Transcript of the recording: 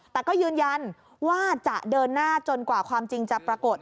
แต่ก็ยืนยันว่าจะเดินหน้าจนกว่าความจริงจะปรากฏ